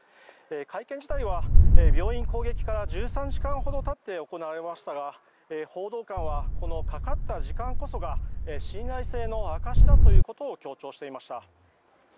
会見自体は病院攻撃から１３時間ほど経って行われましたが報道官は、かかった時間こそが信頼性の証しだということを強調していました。